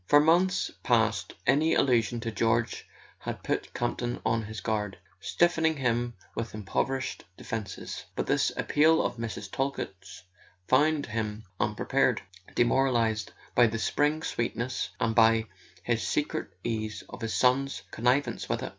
For months past any allusion to George had put Campton on his guard, stiffening him with improvised defences. But this appeal of Mrs. Talkett's found him unprepared, demoralized by the spring sweetness, and by his secret sense of his son's connivance with it.